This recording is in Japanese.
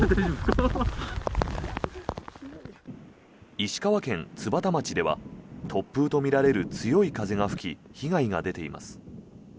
石川県津幡町では突風とみられる強い風が吹き被害が出ています。